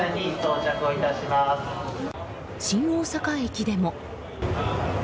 新大阪駅でも。